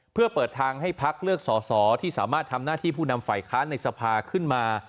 เพื่อเปิดทางให้พักเลือกสอสอที่สามารถทำหน้าที่ผู้นำฝ่ายค้านในสภาขึ้นมา